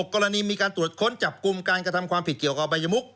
กรณีมีการตรวจค้นจับกลุ่มการกระทำความผิดเกี่ยวกับอบัยมุก